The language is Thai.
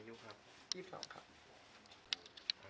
ก็จะมีความสุขกับพวกเรา